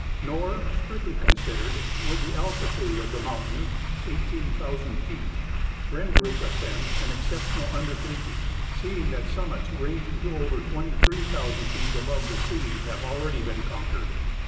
Nor, strictly considered, would the altitude of the mountain (18,000 feet) render its ascent an exceptional undertaking, seeing that summits ranging to over 23,000 feet above the sea have already been conquered.